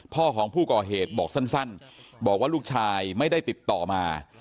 พ่อของผู้ก่อเหตุบอกสั้นบอกว่าลูกชายไม่ได้ติดต่อมา